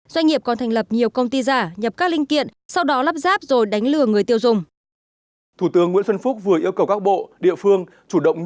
doanh nghiệp còn thành lập nhiều công ty giả nhập các linh kiện sau đó lắp ráp rồi đánh lừa người tiêu dùng